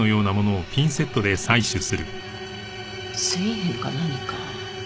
繊維片か何か。